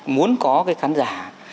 muốn có cái khán giả